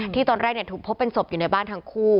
ตอนแรกถูกพบเป็นศพอยู่ในบ้านทั้งคู่